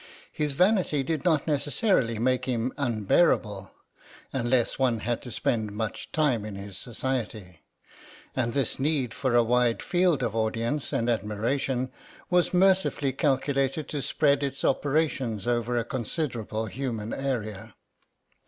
His vanity did not necessarily make him unbearable, unless one had to spend much time in his society, and his need for a wide field of audience and admiration was mercifully calculated to spread his operations over a considerable human area.